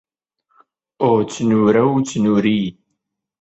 ئۆ چنوورە و چنووری